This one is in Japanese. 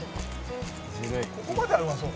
「ここまではうまそう」